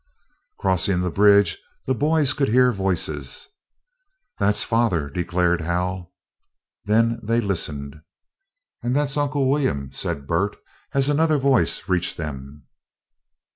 Crossing the bridge, the boys could hear voices. "That's father," declared Hal. Then they listened. "And that's Uncle William," said Bert, as another voice reached them.